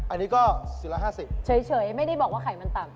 อันนี้ก็๔๕๐บาทเฉยไม่ได้บอกว่าไขมันต่ำ